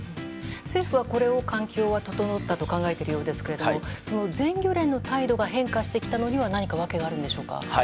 政府はこれを環境は整ったと考えているようですがその全漁連の態度が変化してきたのには何か訳があるんでしょうか？